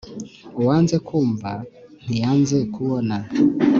Uwanze kwumva ntiyanze kubona.